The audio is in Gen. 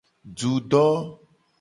Dudo.